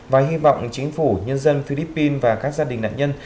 và hy vọng chính phủ nhân dân philippines và các gia đình nạn nhân